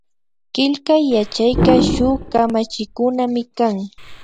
Killkay yachayka shuk kamachikunamikan